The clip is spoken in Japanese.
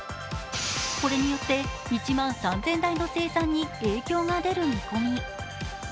これによって１万３０００台の生産に影響が出る見込み。